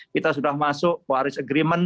kita sudah masuk quaris agreement